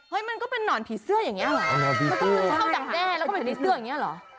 เห้ยมันก็เป็นนอนผีเสื้ออย่างนี้หรอ